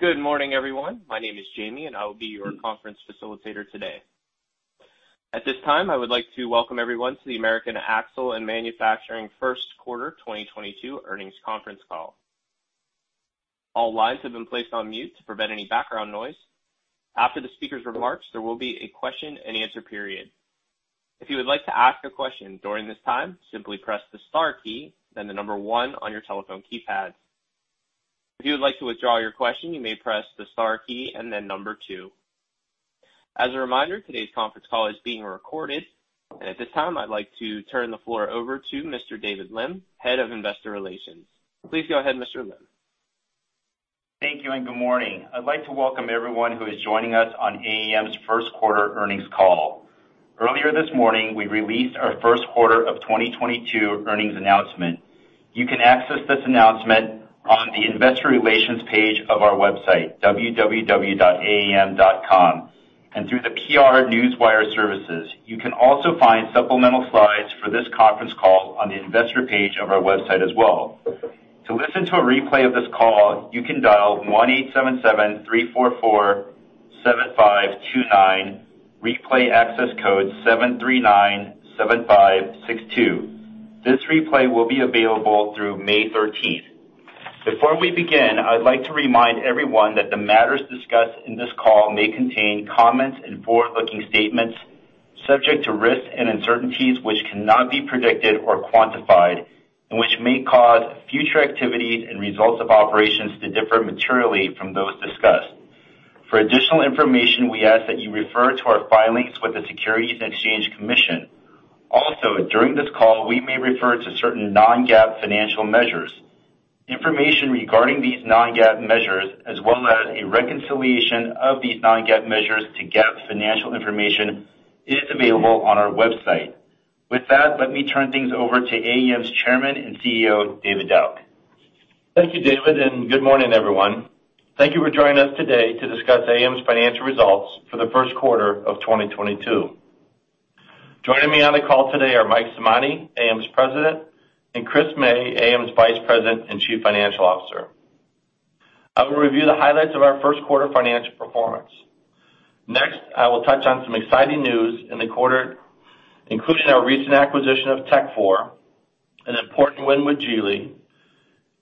Good morning, everyone. My name is Jamie, and I will be your conference facilitator today. At this time, I would like to welcome everyone to the American Axle & Manufacturing first quarter 2022 earnings conference call. All lines have been placed on mute to prevent any background noise. After the speaker's remarks, there will be a question-and-answer period. If you would like to ask a question during this time, simply press the star key, then the number one on your telephone keypad. If you would like to withdraw your question, you may press the star key and then number two. As a reminder, today's conference call is being recorded. At this time, I'd like to turn the floor over to Mr. David Lim, Head of Investor Relations. Please go ahead, Mr. Lim. Thank you, and good morning. I'd like to welcome everyone who is joining us on AAM's first quarter earnings call. Earlier this morning, we released our first quarter of 2022 earnings announcement. You can access this announcement on the Investor Relations page of our website, www.aam.com, and through the PR Newswire services. You can also find supplemental slides for this conference call on the Investor page of our website as well. To listen to a replay of this call, you can dial 1-877-344-7529, replay access code 7397562. This replay will be available through May 13th. Before we begin, I would like to remind everyone that the matters discussed in this call may contain comments and forward-looking statements subject to risks and uncertainties, which cannot be predicted or quantified, and which may cause future activities and results of operations to differ materially from those discussed. For additional information, we ask that you refer to our filings with the Securities and Exchange Commission. Also, during this call, we may refer to certain non-GAAP financial measures. Information regarding these non-GAAP measures, as well as a reconciliation of these non-GAAP measures to GAAP financial information, is available on our website. With that, let me turn things over to AAM's Chairman and CEO, David Dauch. Thank you, David, and good morning, everyone. Thank you for joining us today to discuss AAM's financial results for the first quarter of 2022. Joining me on the call today are Mike Simonte, AAM's President, and Chris May, AAM's Vice President and Chief Financial Officer. I will review the highlights of our first quarter financial performance. Next, I will touch on some exciting news in the quarter, including our recent acquisition of Tekfor, an important win with Geely,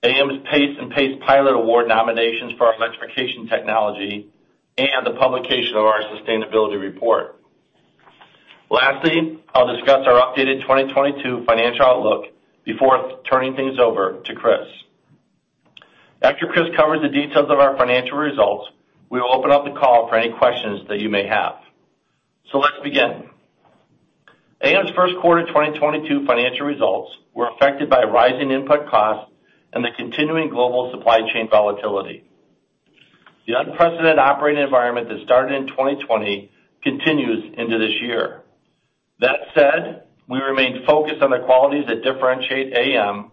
AAM's PACE and PACE Pilot Award nominations for our electrification technology, and the publication of our sustainability report. Lastly, I'll discuss our updated 2022 financial outlook before turning things over to Chris. After Chris covers the details of our financial results, we will open up the call for any questions that you may have. Let's begin. AAM's first quarter 2022 financial results were affected by rising input costs and the continuing global supply chain volatility. The unprecedented operating environment that started in 2020 continues into this year. That said, we remain focused on the qualities that differentiate AAM,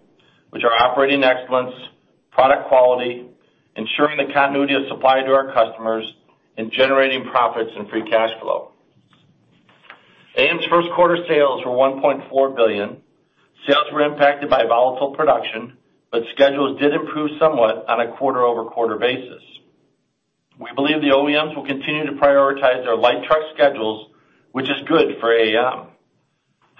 which are operating excellence, product quality, ensuring the continuity of supply to our customers, and generating profits and free cash flow. AAM's first quarter sales were $1.4 billion. Sales were impacted by volatile production, but schedules did improve somewhat on a quarter-over-quarter basis. We believe the OEMs will continue to prioritize their light truck schedules, which is good for AAM.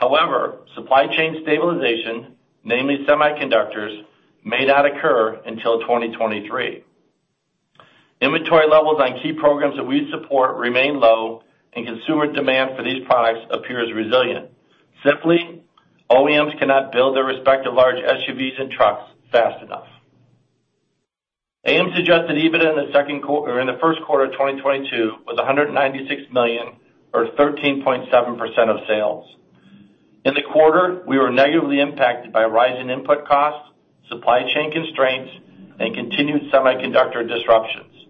However, supply chain stabilization, namely semiconductors, may not occur until 2023. Inventory levels on key programs that we support remain low, and consumer demand for these products appears resilient. Simply, OEMs cannot build their respective large SUVs and trucks fast enough. AAM's adjusted EBITDA in the first quarter of 2022 was $196 million or 13.7% of sales. In the quarter, we were negatively impacted by rising input costs, supply chain constraints, and continued semiconductor disruptions.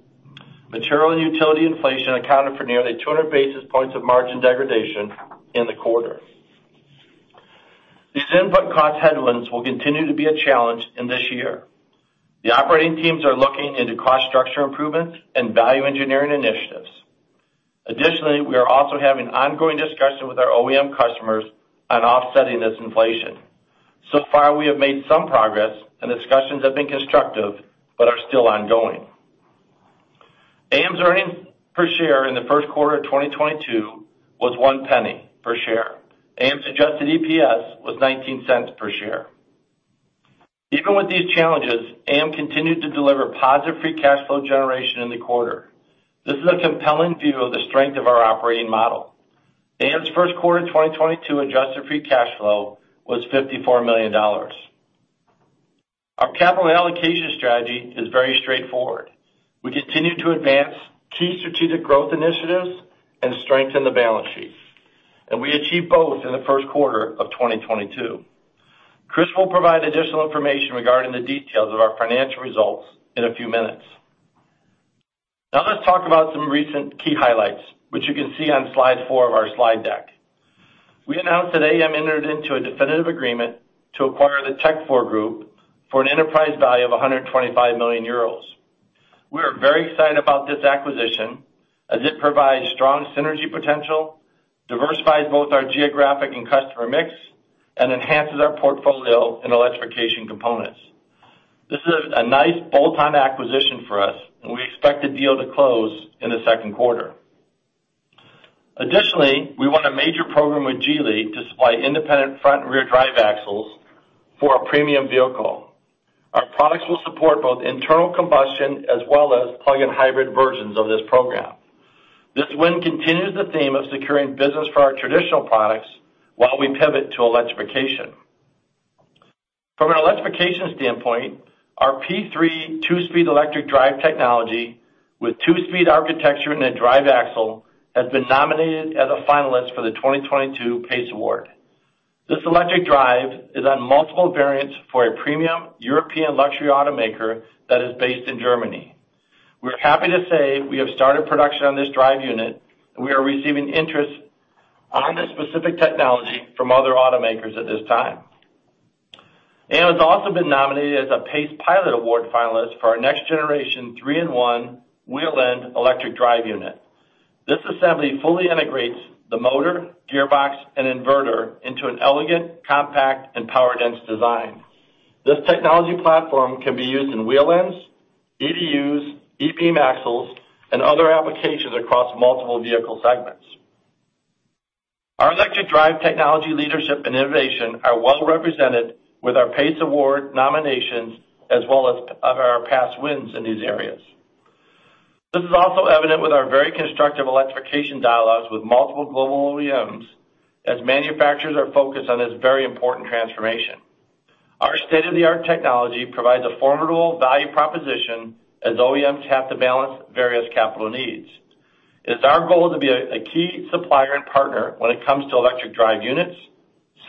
Material and utility inflation accounted for nearly 200 basis points of margin degradation in the quarter. These input cost headwinds will continue to be a challenge in this year. The operating teams are looking into cost structure improvements and value engineering initiatives. Additionally, we are also having ongoing discussions with our OEM customers on offsetting this inflation. So far, we have made some progress, and discussions have been constructive but are still ongoing. AAM's earnings per share in the first quarter of 2022 was $0.01 per share. AAM's adjusted EPS was $0.19 per share. Even with these challenges, AAM continued to deliver positive free cash flow generation in the quarter. This is a compelling view of the strength of our operating model. AAM's first quarter 2022 adjusted free cash flow was $54 million. Our capital allocation strategy is very straightforward. We continue to advance key strategic growth initiatives and strengthen the balance sheet, and we achieved both in the first quarter of 2022. Chris will provide additional information regarding the details of our financial results in a few minutes. Now, let's talk about some recent key highlights, which you can see on slide 4 of our slide deck. We announced that AAM entered into a definitive agreement to acquire the Tekfor Group for an enterprise value of 125 million euros. We're very excited about this acquisition as it provides strong synergy potential, diversifies both our geographic and customer mix, and enhances our portfolio in electrification components. This is a nice bolt-on acquisition for us, and we expect the deal to close in the second quarter. Additionally, we won a major program with Geely to supply independent front and rear drive axles for a premium vehicle. Our products will support both internal combustion as well as plug-in hybrid versions of this program. This win continues the theme of securing business for our traditional products while we pivot to electrification. From an electrification standpoint, our P3 two-speed electric drive technology with two-speed architecture and a drive axle has been nominated as a finalist for the 2022 PACE Award. This electric drive is on multiple variants for a premium European luxury automaker that is based in Germany. We're happy to say we have started production on this drive unit, and we are receiving interest on this specific technology from other automakers at this time. AAM has also been nominated as a PACE Pilot Award finalist for our next generation three-in-one wheel end electric drive unit. This assembly fully integrates the motor, gearbox, and inverter into an elegant, compact, and power-dense design. This technology platform can be used in wheel ends, EDUs, e-Beam axles, and other applications across multiple vehicle segments. Our electric drive technology leadership and innovation are well represented with our PACE Award nominations as well as our past wins in these areas. This is also evident with our very constructive electrification dialogues with multiple global OEMs as manufacturers are focused on this very important transformation. Our state-of-the-art technology provides a formidable value proposition as OEMs have to balance various capital needs. It's our goal to be a key supplier and partner when it comes to electric drive units,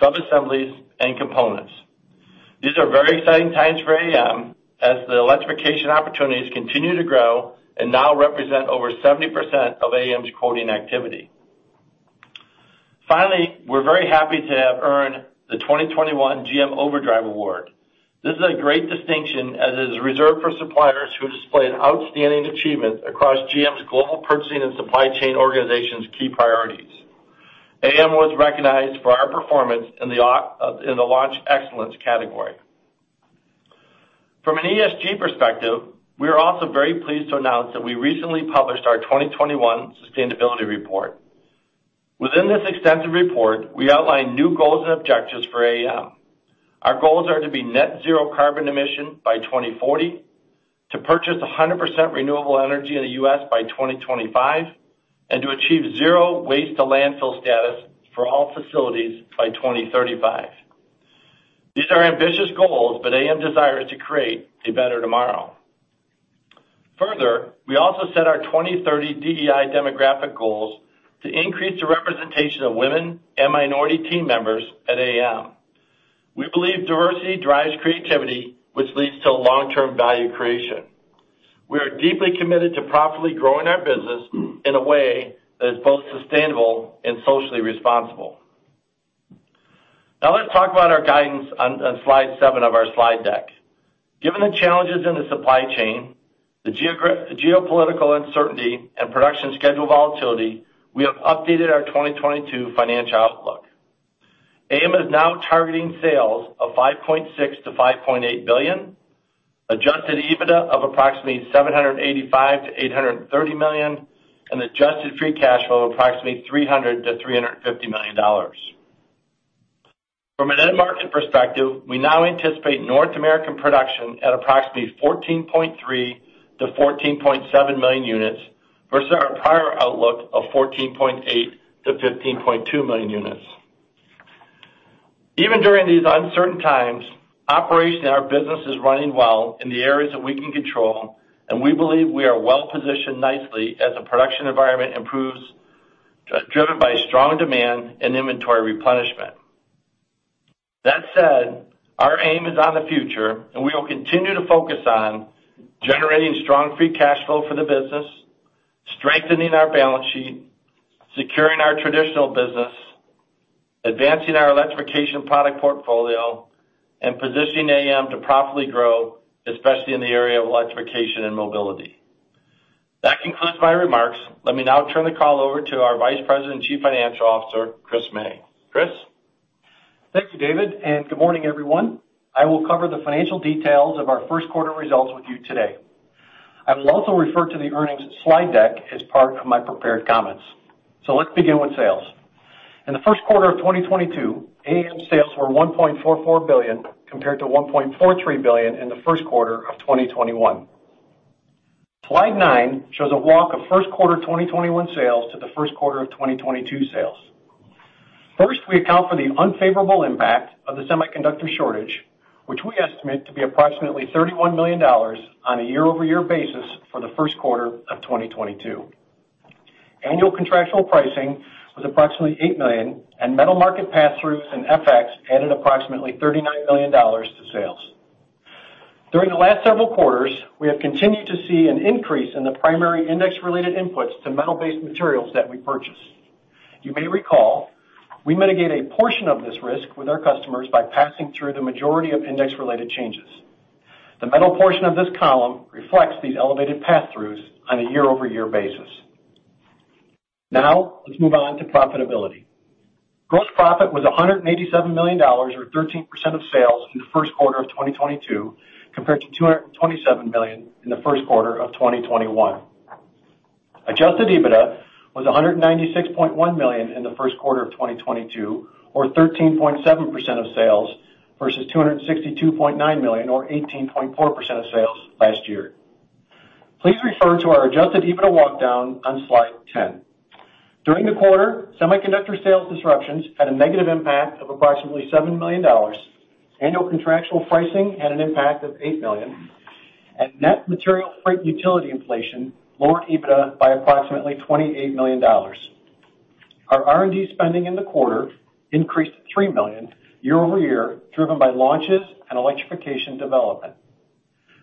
subassemblies, and components. These are very exciting times for AAM as the electrification opportunities continue to grow, and now represent over 70% of AAM's quoting activity. Finally, we're very happy to have earned the 2021 GM Overdrive Award. This is a great distinction as it is reserved for suppliers who display an outstanding achievement across GM's global purchasing and supply chain organization's key priorities. AAM was recognized for our performance in the launch excellence category. From an ESG perspective, we are also very pleased to announce that we recently published our 2021 Sustainability Report. Within this extensive report, we outlined new goals and objectives for AAM. Our goals are to be net zero carbon emission by 2040, to purchase 100% renewable energy in the U.S. by 2025, and to achieve zero waste to landfill status for all facilities by 2035. These are ambitious goals, but AAM desires to create a better tomorrow. Further, we also set our 2030 DEI demographic goals to increase the representation of women and minority team members at AAM. We believe diversity drives creativity, which leads to long-term value creation. We are deeply committed to profitably growing our business in a way that is both sustainable and socially responsible. Now, let's talk about our guidance on slide 7 of our slide deck. Given the challenges in the supply chain, the geopolitical uncertainty, and production schedule volatility, we have updated our 2022 financial outlook. AAM is now targeting sales of $5.6 billion-$5.8 billion, adjusted EBITDA of approximately $785 million-$830 million, and adjusted free cash flow of approximately $300 million-$350 million. From an end market perspective, we now anticipate North American production at approximately 14.3 million-14.7 million units versus our prior outlook of 14.8 million-15.2 million units. Even during these uncertain times, operation in our business is running well in the areas that we can control, and we believe we are well positioned nicely as the production environment improves, driven by strong demand and inventory replenishment. That said, our aim is on the future, and we will continue to focus on generating strong free cash flow for the business, strengthening our balance sheet, securing our traditional business, advancing our electrification product portfolio, and positioning AAM to profitably grow, especially in the area of electrification and mobility. That concludes my remarks. Let me now turn the call over to our Vice President and Chief Financial Officer, Chris May. Chris. Thank you, David, and good morning, everyone. I will cover the financial details of our first quarter results with you today. I will also refer to the earnings slide deck as part of my prepared comments. Let's begin with sales. In the first quarter of 2022, AAM sales were $1.44 billion compared to $1.43 billion in the first quarter of 2021. Slide 9 shows a walk of first quarter 2021 sales to the first quarter of 2022 sales. First, we account for the unfavorable impact of the semiconductor shortage, which we estimate to be approximately $31 million on a year-over-year basis for the first quarter of 2022. Annual contractual pricing was approximately $8 million, and metal market pass-throughs and FX added approximately $39 million to sales. During the last several quarters, we have continued to see an increase in the primary index-related inputs to metal-based materials that we purchase. You may recall, we mitigate a portion of this risk with our customers by passing through the majority of index-related changes. The metal portion of this column reflects these elevated passthroughs on a year-over-year basis. Now, let's move on to profitability. Gross profit was $187 million, or 13% of sales in the first quarter of 2022, compared to $227 million in the first quarter of 2021. Adjusted EBITDA was $196.1 million in the first quarter of 2022, or 13.7% of sales versus $262.9 million, or 18.4% of sales last year. Please refer to our adjusted EBITDA walk-down on slide 10. During the quarter, semiconductor sales disruptions had a negative impact of approximately $7 million. Annual contractual pricing had an impact of $8 million, and net material freight utility inflation lowered EBITDA by approximately $28 million. Our R&D spending in the quarter increased to $3 million year-over-year, driven by launches and electrification development.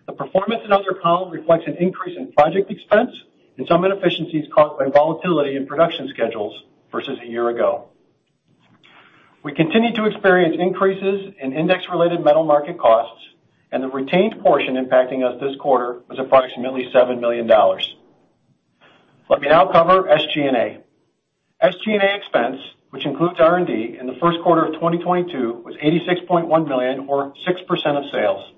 The performance in other column reflects an increase in project expense and some inefficiencies caused by volatility in production schedules versus a year ago. We continue to experience increases in index-related metal market costs, and the retained portion impacting us this quarter was approximately $7 million. Let me now cover SG&A. SG&A expense, which includes R&D in the first quarter of 2022, was $86.1 million, or 6% of sales.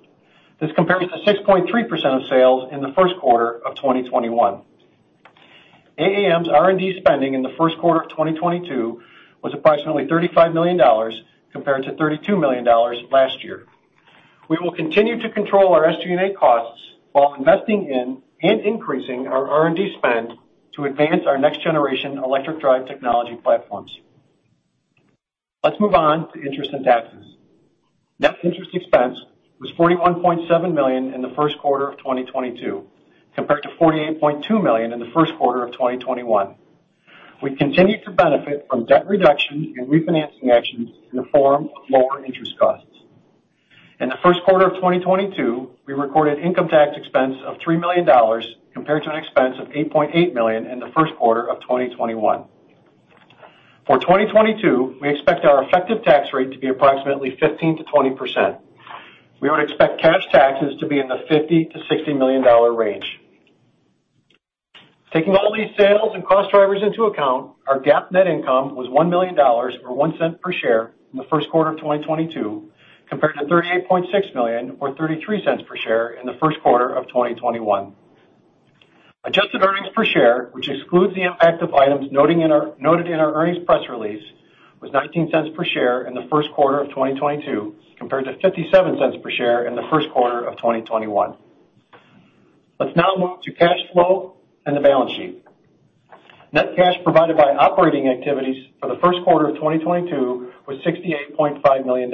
This compares to 6.3% of sales in the first quarter of 2021. AAM's R&D spending in the first quarter of 2022 was approximately $35 million compared to $32 million last year. We will continue to control our SG&A costs while investing in and increasing our R&D spend to advance our next-generation electric drive technology platforms. Let's move on to interest and taxes. Net interest expense was $41.7 million in the first quarter of 2022, compared to $48.2 million in the first quarter of 2021. We continued to benefit from debt reduction and refinancing actions in the form of lower interest costs. In the first quarter of 2022, we recorded income tax expense of $3 million compared to an expense of $8.8 million in the first quarter of 2021. For 2022, we expect our effective tax rate to be approximately 15%-20%. We would expect cash taxes to be in the $50 million-$60 million range. Taking all these sales and cost drivers into account, our GAAP net income was $1 million, or $0.01 per share in the first quarter of 2022, compared to $38.6 million, or $0.33 per share in the first quarter of 2021. Adjusted earnings per share, which excludes the impact of items noted in our earnings press release, was $0.19 per share in the first quarter of 2022, compared to $0.57 per share in the first quarter of 2021. Let's now move to cash flow and the balance sheet. Net cash provided by operating activities for the first quarter of 2022 was $68.5 million.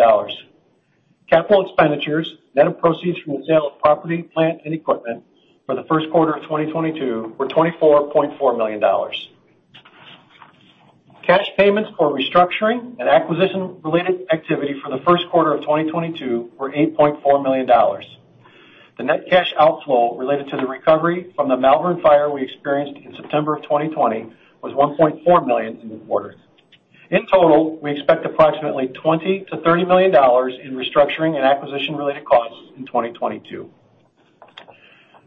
Capital expenditures, net of proceeds from the sale of property, plant, and equipment for the first quarter of 2022 were $24.4 million. Cash payments for restructuring and acquisition-related activity for the first quarter of 2022 were $8.4 million. The net cash outflow related to the recovery from the Malvern fire we experienced in September of 2020 was $1.4 million in the quarter. In total, we expect approximately $20 million-$30 million in restructuring and acquisition-related costs in 2022.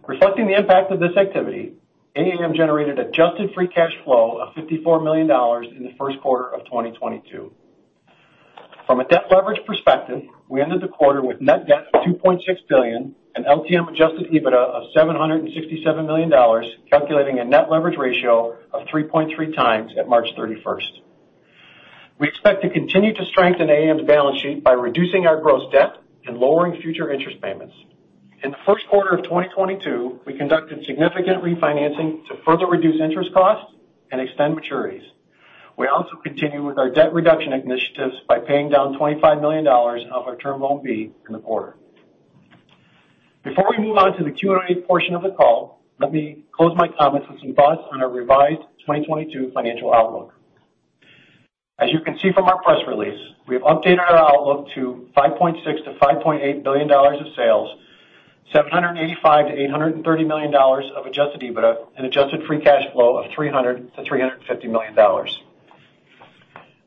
Reflecting the impact of this activity, AAM generated adjusted free cash flow of $54 million in the first quarter of 2022. From a debt leverage perspective, we ended the quarter with net debt of $2.6 billion and LTM adjusted EBITDA of $767 million, calculating a net leverage ratio of 3.3x at March 31. We expect to continue to strengthen AAM's balance sheet by reducing our gross debt and lowering future interest payments. In the first quarter of 2022, we conducted significant refinancing to further reduce interest costs and extend maturities. We also continue with our debt reduction initiatives by paying down $25 million of our Term Loan B in the quarter. Before we move on to the Q&A portion of the call, let me close my comments with some thoughts on our revised 2022 financial outlook. As you can see from our press release, we've updated our outlook to $5.6 billion-$5.8 billion of sales, $785 million-$830 million of adjusted EBITDA, and adjusted free cash flow of $300 million-$350 million.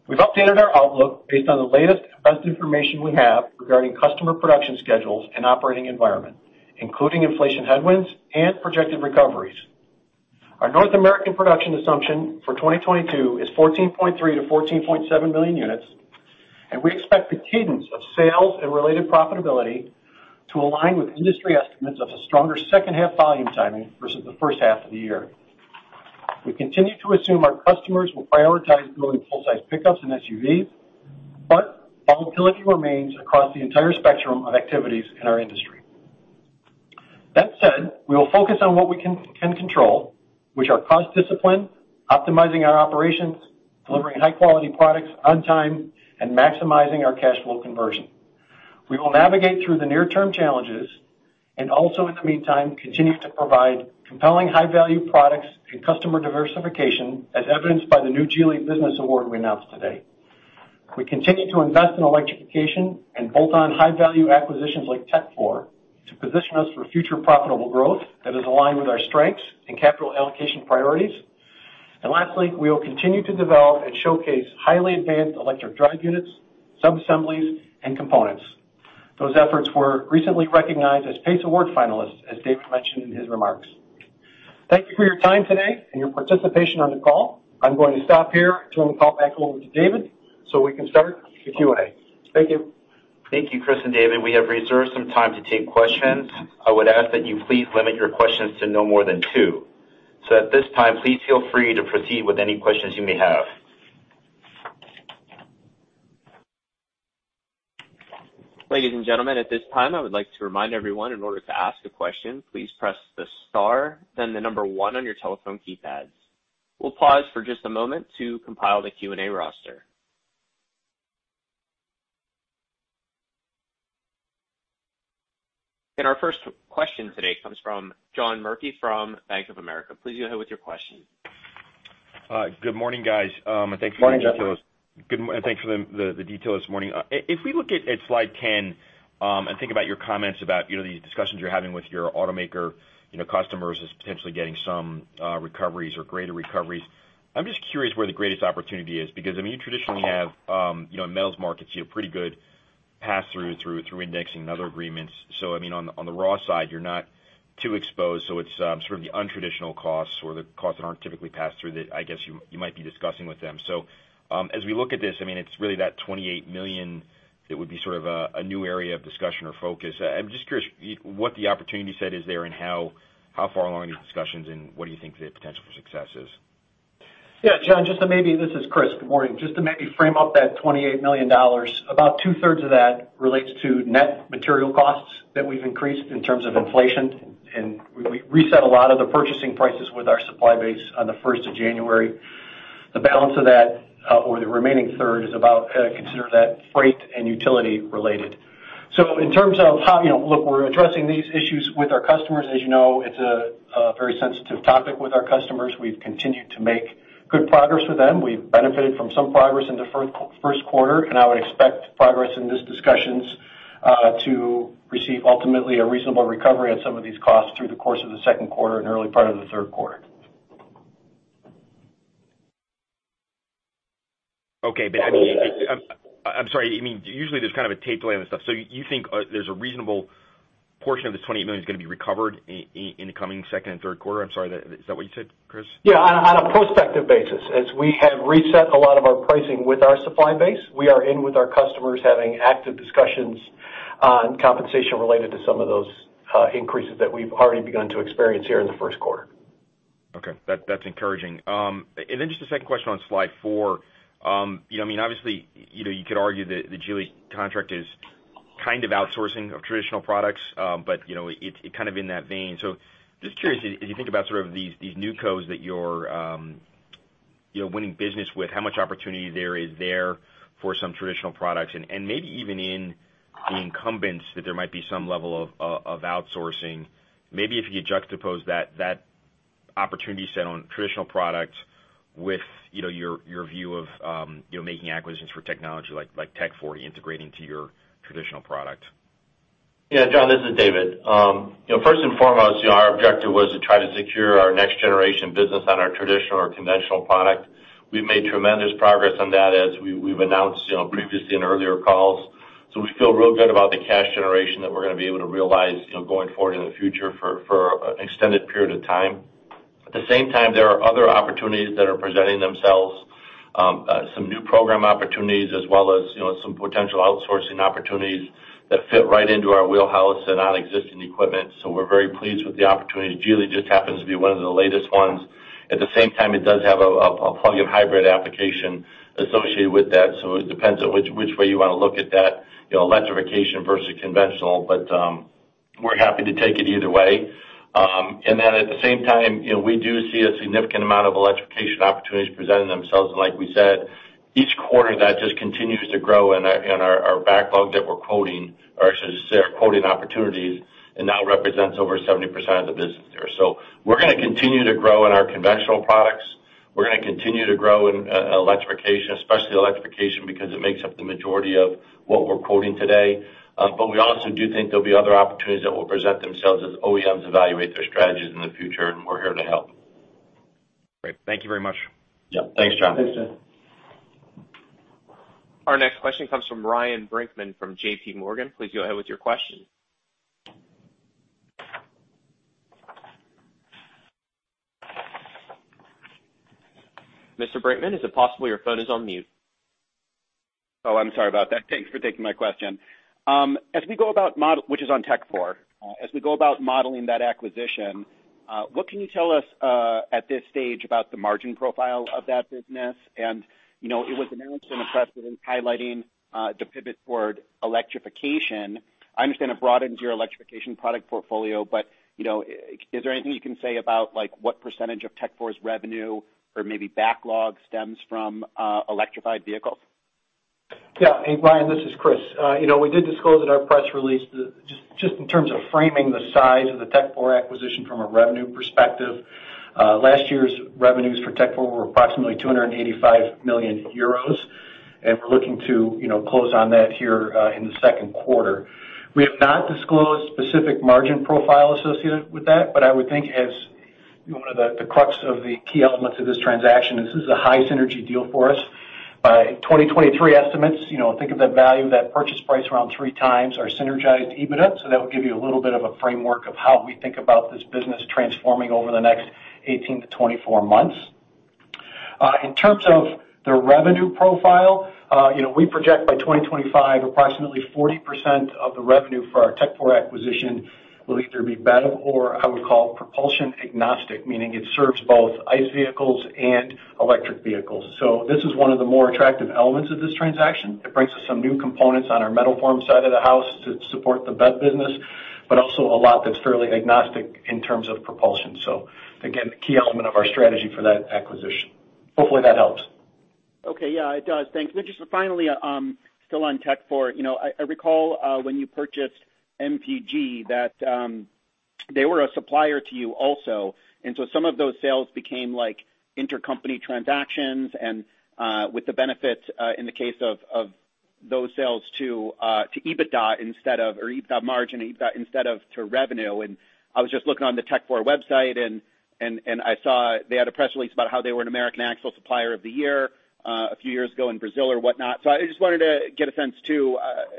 We've updated our outlook based on the latest and best information we have regarding customer production schedules and operating environment, including inflation headwinds and projected recoveries. Our North American production assumption for 2022 is 14.3 million-14.7 million units, and we expect the cadence of sales and related profitability to align with industry estimates of a stronger second half volume timing versus the first half of the year. We continue to assume our customers will prioritize building full-size pickups and SUVs, but volatility remains across the entire spectrum of activities in our industry. That said, we will focus on what we can control, which are cost discipline, optimizing our operations, delivering high-quality products on time, and maximizing our cash flow conversion. We will navigate through the near-term challenges and also, in the meantime, continue to provide compelling high-value products and customer diversification, as evidenced by the new Geely business award we announced today. We continue to invest in electrification and bolt-on high-value acquisitions, like Tekfor, to position us for future profitable growth that is aligned with our strengths and capital allocation priorities. Lastly, we will continue to develop and showcase highly advanced electric drive units, sub-assemblies, and components. Those efforts were recently recognized as PACE Award finalists, as David mentioned in his remarks. Thank you for your time today and your participation on the call. I'm going to stop here, turn the call back over to David so we can start the Q&A. Thank you. Thank you, Chris and David. We have reserved some time to take questions. I would ask that you please limit your questions to no more than two. At this time, please feel free to proceed with any questions you may have. Ladies and gentlemen, at this time, I would like to remind everyone, in order to ask a question, please press the star then the number one on your telephone keypad. We'll pause for just a moment to compile the Q&A roster. Our first question today comes from John Murphy from Bank of America. Please go ahead with your question. Good morning, guys. Thanks for the- Good morning, John. Thanks for the detail this morning. If we look at slide 10 and think about your comments about, you know, these discussions you're having with your automaker customers as potentially getting some recoveries or greater recoveries, I'm just curious where the greatest opportunity is. Because, I mean, you traditionally have, you know, in metal markets, you have pretty good pass-through through indexing and other agreements. I mean, on the raw side, you're not too exposed, so it's sort of the untraditional costs or the costs that aren't typically passed through that I guess you might be discussing with them. As we look at this, I mean, it's really that $28 million that would be sort of a new area of discussion or focus. I'm just curious what the opportunity set is there and how far along these discussions, and what do you think the potential for success is? Yeah, John. This is Chris. Good morning. Just to maybe frame up that $28 million, about 2/3 of that relates to net material costs that we've increased in terms of inflation, and we reset a lot of the purchasing prices with our supply base on the 1st of January. The balance of that, or the remaining 1/3 is about, consider that freight and utility related. You know, look, we're addressing these issues with our customers. As you know, it's a very sensitive topic with our customers. We've continued to make good progress with them. We've benefited from some progress in the first quarter, and I would expect progress in these discussions to receive ultimately a reasonable recovery on some of these costs through the course of the second quarter and early part of the third quarter. I mean, I'm sorry, I mean, usually there's kind of a tape delay on this stuff. You think there's a reasonable portion of this $28 million, is gonna be recovered in the coming second and third quarter? I'm sorry, is that what you said, Chris? Yeah. On a prospective basis, as we have reset a lot of our pricing with our supply base, we are in with our customers, having active discussions on compensation related to some of those increases that we've already begun to experience here in the first quarter. Okay. That's encouraging. Then just a second question on slide 4. You know, I mean, obviously, you know, you could argue the Geely contract is kind of outsourcing of traditional products, but, you know, it kind of in that vein. Just curious, as you think about sort of these new codes that you're, you know, winning business with, how much opportunity there is there for some traditional products and maybe even in the incumbents that there might be some level of outsourcing. Maybe if you juxtapose that opportunity set on traditional products with, you know, your view of, you know, making acquisitions for technology, like Tekfor, integrating to your traditional product. Yeah. John, this is David. You know, first and foremost, you know, our objective was to try to secure our next generation business on our traditional or conventional product. We've made tremendous progress on that, we've announced, you know, previously in earlier calls. We feel real good about the cash generation that we're gonna be able to realize, you know, going forward in the future for an extended period of time. At the same time, there are other opportunities that are presenting themselves, some new program opportunities as well as, you know, some potential outsourcing opportunities that fit right into our wheelhouse and on existing equipment. We're very pleased with the opportunity. Geely just happens to be one of the latest ones. At the same time, it does have a plug-in hybrid application associated with that, so it depends on which way you wanna look at that, you know, electrification versus conventional. We're happy to take it either way. At the same time, you know, we do see a significant amount of electrification opportunities presenting themselves. Like we said, each quarter that just continues to grow in our backlog that we're quoting or I should say, our quoting opportunities, and now represents over 70% of the business there. We're gonna continue to grow in our conventional products. We're gonna continue to grow in electrification, especially electrification, because it makes up the majority of what we're quoting today. We also do think there'll be other opportunities that will present themselves as OEMs evaluate their strategies in the future, and we're here to help. Great. Thank you very much. Yeah. Thanks, John. Thanks, John. Our next question comes from Ryan Brinkman from JPMorgan. Please go ahead with your question. Mr. Brinkman, is it possible your phone is on mute? Oh, I'm sorry about that. Thanks for taking my question. As we go about modeling that acquisition, what can you tell us at this stage about the margin profile of that business? You know, it was announced in the press release highlighting the pivot toward electrification. I understand it broadens your electrification product portfolio, but, you know, is there anything you can say about, like, what percentage of Tekfor's revenue or maybe backlog stems from electrified vehicles? Yeah. Hey, Ryan, this is Chris. You know, we did disclose in our press release. Just, in terms of framing the size of the Tekfor acquisition from a revenue perspective, last year's revenues for Tekfor were approximately 285 million euros. We're looking to, you know, close on that here in the second quarter. We have not disclosed specific margin profile associated with that, but I would think as, you know, one of the crux of the key elements of this transaction, this is a high synergy deal for us. By 2023 estimates, you know, think of the value of that purchase price around 3x our synergized EBITDA. That would give you a little bit of a framework of how we think about this business transforming over the next 18-24 months. In terms of the revenue profile, you know, we project by 2025, approximately 40% of the revenue for our Tekfor acquisition will either be BEV or I would call propulsion agnostic, meaning it serves both ICE vehicles and electric vehicles. This is one of the more attractive elements of this transaction. It brings us some new components on our metal forming side of the house to support the BEV business, but also a lot that's fairly agnostic in terms of propulsion. Again, the key element of our strategy for that acquisition. Hopefully, that helps. Okay. Yeah, it does. Thanks. Just, finally, still on Tekfor. You know, I recall when you purchased MPG that they were a supplier to you also. So, some of those sales became like intercompany transactions, and with the benefits in the case of those sales to EBITDA instead of, or EBITDA margin, EBITDA instead of to revenue. I was just looking on the Tekfor website and I saw they had a press release about how they were an American Axle Supplier of the Year a few years ago in Brazil or whatnot. I just wanted to get a sense too,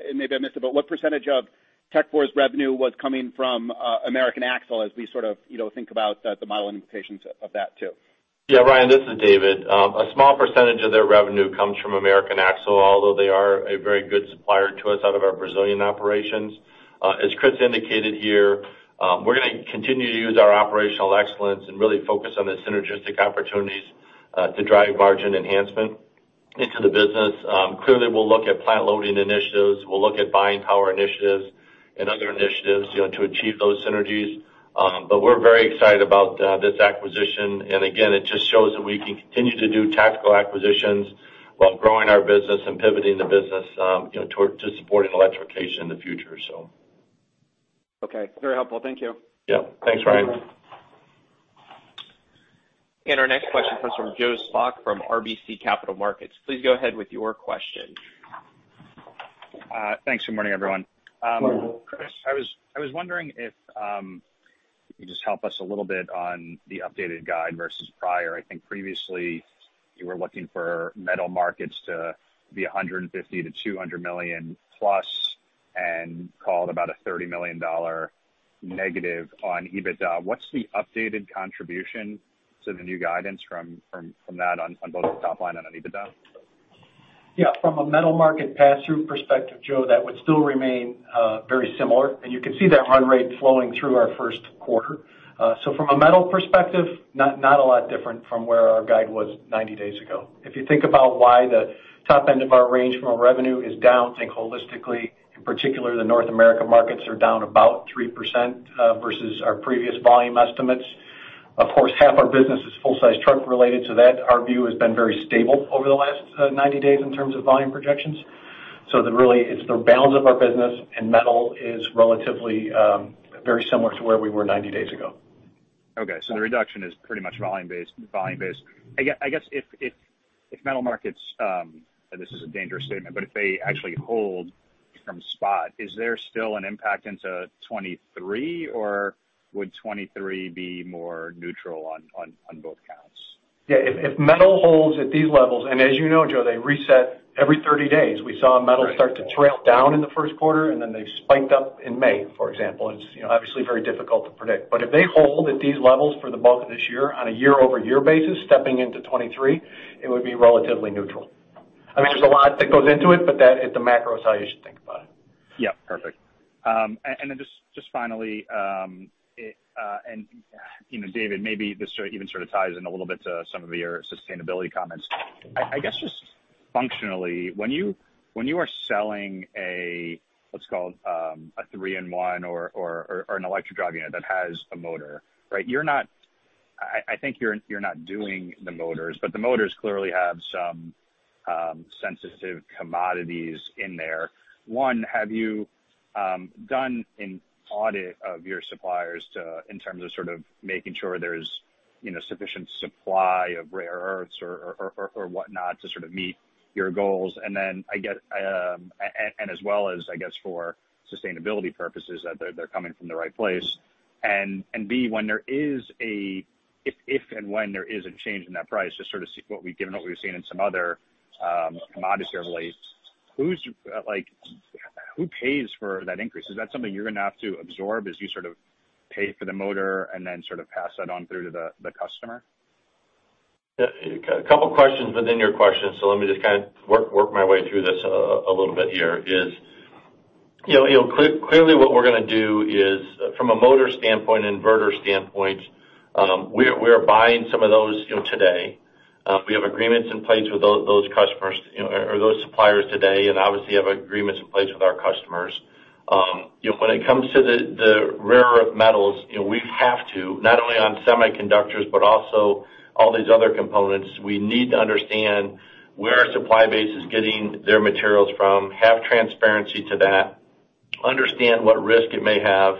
and maybe I missed it, but what percentage of Tekfor's revenue was coming from American Axle as we sort of, you know, think about the model implications of that too? Yeah. Ryan, this is David. A small percentage of their revenue comes from American Axle, although they are a very good supplier to us out of our Brazilian operations. As Chris indicated here, we're gonna continue to use our operational excellence and really focus on the synergistic opportunities to drive margin enhancement into the business. Clearly, we'll look at plant loading initiatives. We'll look at buying power initiatives and other initiatives, you know, to achieve those synergies. We're very excited about this acquisition. Again, it just shows that we can continue to do tactical acquisitions while growing our business and pivoting the business, you know, toward supporting electrification in the future. Okay. Very helpful. Thank you. Yeah. Thanks, Ryan. You bet. Our next question comes from Joe Spak from RBC Capital Markets. Please go ahead with your question. Thanks. Good morning, everyone. Chris, I was wondering if you could just help us a little bit on the updated guide versus prior. I think, previously, you were looking for metal markets to be $150 million-$200 million plus and called about a $30 million negative on EBITDA. What's the updated contribution to the new guidance from that on both the top line and on EBITDA? Yeah. From a metal market pass-through perspective, Joe, that would still remain very similar. You can see that run rate flowing through our first quarter. From a metal perspective, not a lot different from where our guide was 90 days ago. If you think about why the top end of our range from a revenue is down, think holistically. In particular, the North America markets are down about 3%, versus our previous volume estimates. Of course, 1/2 of our business is full-size truck related to that. Our view has been very stable over the last 90 days in terms of volume projections. Really, it's the balance of our business, and metal is relatively very similar to where we were 90 days ago. The reduction is pretty much volume-based. I guess if metal markets--and this is a dangerous statement--but if they actually hold from spot, is there still an impact into 2023, or would 2023 be more neutral on both counts? Yeah. If metal holds at these levels, and as you know, Joe, they reset every 30 days. We saw metal start to trail down in the first quarter, and then they spiked up in May, for example. It's, you know, obviously very difficult to predict. If they hold at these levels for the bulk of this year on a year-over-year basis, stepping into 2023, it would be relatively neutral. I mean, there's a lot that goes into it, but that is the macro side you should think about. Yeah. Perfect. Just finally, you know, David, maybe this sort of ties in a little bit to some of your sustainability comments. I guess just functionally, when you are selling a, let's call it, a three-in-one or an electric drive unit that has a motor, right, I think you're not doing the motors, but the motors clearly have some sensitive commodities in there. One, have you done an audit of your suppliers, in terms of sort of making sure there's, you know, sufficient supply of rare earths or whatnot to sort of meet your goals? As well as, I guess, for sustainability purposes, that they're coming from the right place. If and when there is a change in that price, given what we've seen in some other commodity plays, who pays for that increase? Is that something you're gonna have to absorb as you sort of pay for the motor and then sort of pass that on through to the customer? Yeah. A couple questions within your question, so let me just kind of work my way through this a little bit here. You know, clearly, what we're gonna do is from a motor standpoint, inverter standpoint, we are buying some of those, you know, today. We have agreements in place with those customers, you know, or those suppliers today, and obviously have agreements in place with our customers. You know, when it comes to the rare earth metals, you know, we have to--not only on semiconductors, but also all these other components--we need to understand where our supply base is getting their materials from, have transparency to that. Understand what risk it may have,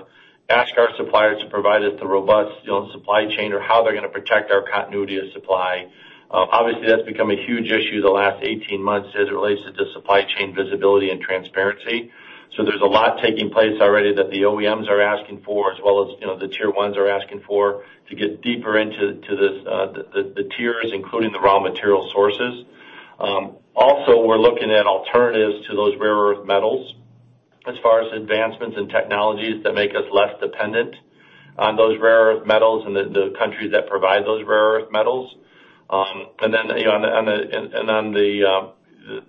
ask our suppliers to provide us the robust, you know, supply chain, or how they're gonna protect our continuity of supply. Obviously, that's become a huge issue the last 18 months as it relates to supply chain visibility and transparency. There's a lot taking place already that the OEMs are asking for, as well as, you know, the Tier 1s are asking for, to get deeper into the tiers, including the raw material sources. Also, we're looking at alternatives to those rare earth metals as far as advancements in technologies that make us less dependent on those rare earth metals and the countries that provide those rare earth metals. You know, on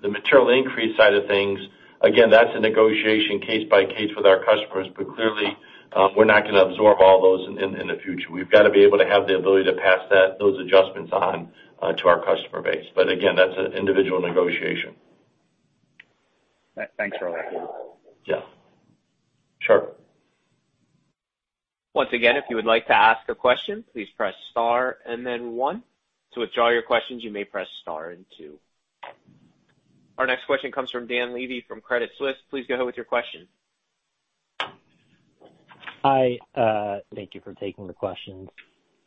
the material increase side of things, again, that's a negotiation case-by-case with our customers. Clearly, we're not gonna absorb all those in the future. We've gotta be able to have the ability to pass that, those adjustments on, to our customer base. Again, that's an individual negotiation. Thanks a lot. Yeah, sure. Once again, if you would like to ask a question, please press star and then one. To withdraw your questions, you may press star and two. Our next question comes from Dan Levy from Credit Suisse. Please go ahead with your question. Hi, thank you for taking the question.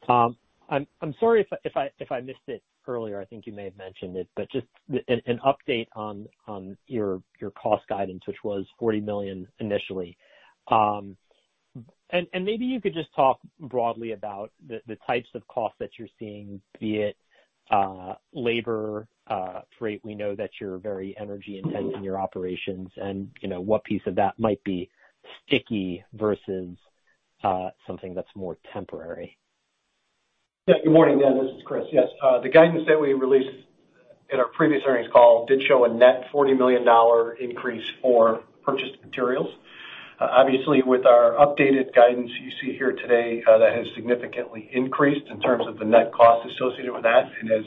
I'm sorry if I missed it earlier. I think you may have mentioned it, but just an update on your cost guidance, which was $40 million initially. Maybe you could just talk broadly about the types of costs that you're seeing, be it labor, freight. We know that you're very energy intense in your operations, and, you know, what piece of that might be sticky versus something that's more temporary. Yeah. Good morning, Dan. This is Chris. Yes, the guidance that we released in our previous earnings call did show a net $40 million increase for purchased materials. Obviously, with our updated guidance you see here today, that has significantly increased in terms of the net cost associated with that. As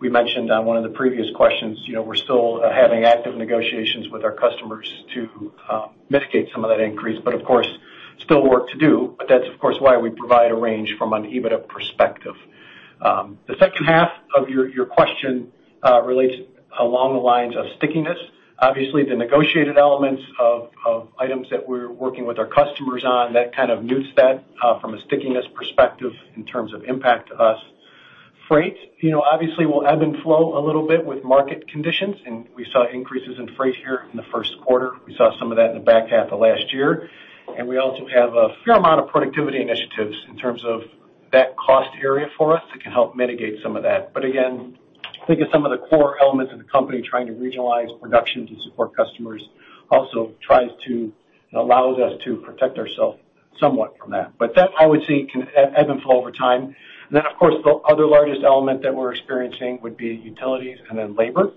we mentioned on one of the previous questions, you know, we're still having active negotiations with our customers to mitigate some of that increase. Of course, still work to do, but that's, of course, why we provide a range from an EBITDA perspective. The second half of your question relates along the lines of stickiness. Obviously, the negotiated elements of items that we're working with our customers on that kind of nudges that from a stickiness perspective in terms of impact to us. Freight, you know, obviously, will ebb and flow a little bit with market conditions, and we saw increases in freight here in the first quarter. We saw some of that in the back half of last year. We also have a fair amount of productivity initiatives in terms of that cost area for us that can help mitigate some of that. Again, I think at some of the core elements of the company trying to regionalize production to support customers also tries to and allows us to protect ourselves somewhat from that. That, I would say, can ebb and flow over time. Then of course, the other largest element that we're experiencing would be utilities and then labor.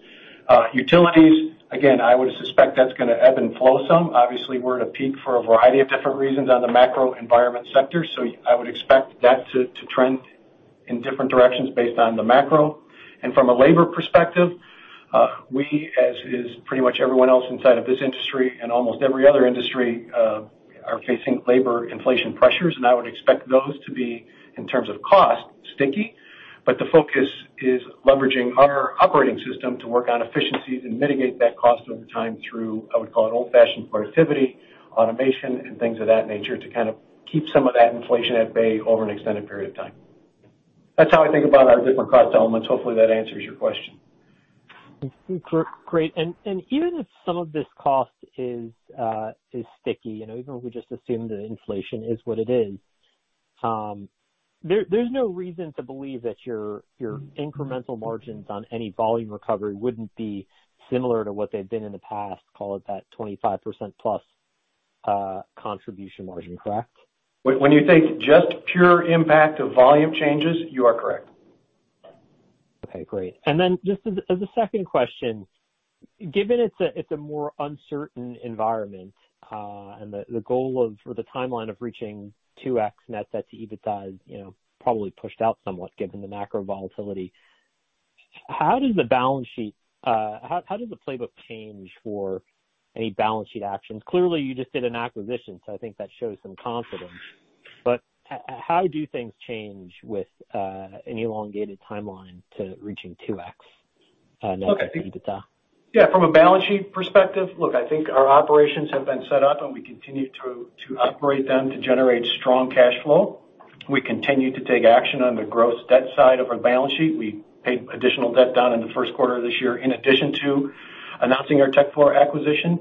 Utilities, again, I would suspect that's gonna ebb and flow some. Obviously, we're at a peak for a variety of different reasons on the macro environment sector, so I would expect that to trend in different directions based on the macro. From a labor perspective, we, as is pretty much everyone else inside of this industry and almost every other industry, are facing labor inflation pressures, and I would expect those to be, in terms of cost, sticky. The focus is leveraging our operating system to work on efficiencies and mitigate that cost over time through, I would call it old-fashioned productivity, automation, and things of that nature to kind of keep some of that inflation at bay over an extended period of time. That's how I think about our different cost elements. Hopefully, that answers your question. Great. Even if some of this cost is sticky, you know, even if we just assume that inflation is what it is, there's no reason to believe that your incremental margins on any volume recovery wouldn't be similar to what they've been in the past, call it that 25%+ contribution margin, correct? When you think just pure impact of volume changes, you are correct. Okay, great. Just as a second question, given it's a more uncertain environment, and the goal or the timeline of reaching 2x net debt-to-EBITDA is, you know, probably pushed out somewhat given the macro volatility, how does the playbook change for any balance sheet actions? Clearly, you just did an acquisition, so I think that shows some confidence. How do things change with an elongated timeline to reaching 2x net debt-to-EBITDA? Yeah. From a balance sheet perspective, look, I think our operations have been set up, and we continue to operate them to generate strong cash flow. We continue to take action on the gross debt side of our balance sheet. We paid additional debt down in the first quarter of this year in addition to announcing our Tekfor acquisition.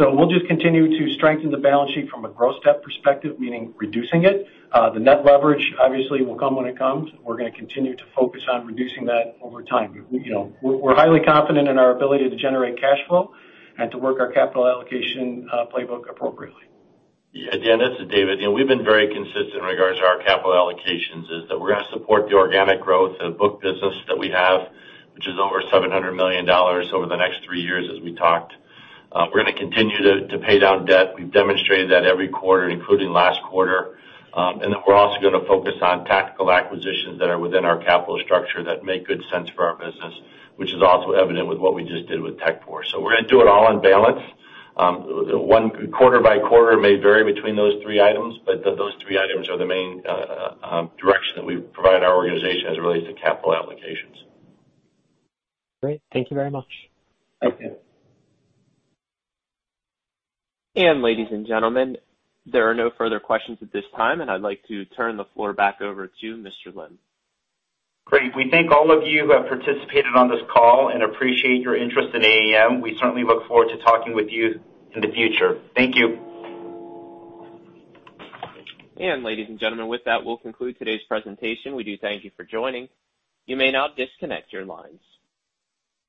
We'll just continue to strengthen the balance sheet from a gross debt perspective, meaning reducing it. The net leverage obviously will come when it comes. We're gonna continue to focus on reducing that over time. You know, we're highly confident in our ability to generate cash flow and to work our capital allocation playbook appropriately. Yeah. Dan, this is David. You know, we've been very consistent in regards to our capital allocations, is that we're gonna support the organic growth, the book business that we have, which is over $700 million over the next three years, as we talked. We're gonna continue to pay down debt. We've demonstrated that every quarter, including last quarter. We're also gonna focus on tactical acquisitions that are within our capital structure that make good sense for our business, which is also evident with what we just did with Tekfor. We're gonna do it all in balance. Quarter-by-quarter may vary between those three items, but those three items are the main direction that we provide our organization as it relates to capital allocations. Great. Thank you very much. Okay. Ladies and gentlemen, there are no further questions at this time, and I'd like to turn the floor back over to Mr. Lim. Great. We thank all of you who have participated on this call and appreciate your interest in AAM. We certainly look forward to talking with you in the future. Thank you. Ladies and gentlemen, with that, we'll conclude today's presentation. We do thank you for joining. You may now disconnect your lines.